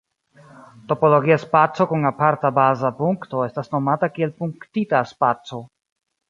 Topologia spaco kun aparta baza punkto estas nomata kiel punktita spaco.